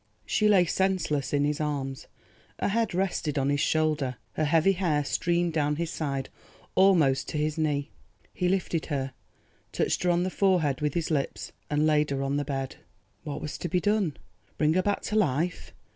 She lay senseless in his arms, her head rested on his shoulder, her heavy hair streamed down his side almost to his knee. He lifted her, touched her on the forehead with his lips and laid her on the bed. What was to be done? Bring her back to life?